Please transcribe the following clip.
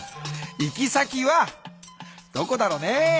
行き先はどこだろうねー？